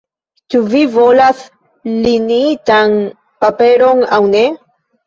Ĉu vi volas liniitan paperon aŭ ne?